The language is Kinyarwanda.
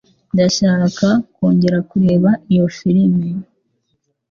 Ndashaka kongera kureba iyo firime.